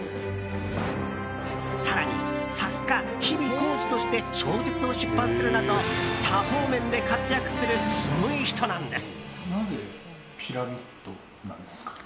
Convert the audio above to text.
更に作家ひびこうじとして小説を出版するなど多方面で活躍するすごい人なんです！